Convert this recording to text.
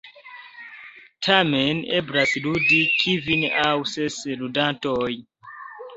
Tamen, eblas ludi kvin aŭ ses ludantoj.